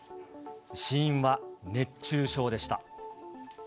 死因は熱中症でした。